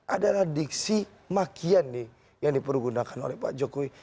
adalah diksi makian nih yang dipergunakan oleh pak jokowi